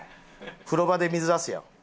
風呂場で水出すやん。